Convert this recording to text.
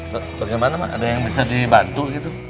bagaimana ma ada yang bisa dibantu gitu